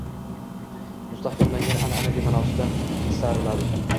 mustahkamlangan an’anaviy ma’nosidan tisariladi.